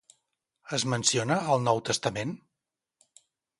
Es menciona al Nou Testament?